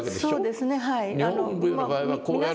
そうですねはい。